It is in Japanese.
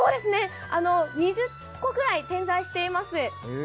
２０個くらい点在しています。